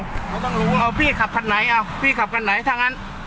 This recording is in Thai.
เขาต้องรู้เอาพี่ขับคันไหนอ่ะพี่ขับคันไหนถ้างั้น